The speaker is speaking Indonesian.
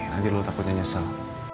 nanti lo takutnya nyesel